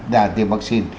đã tiêm vắc xin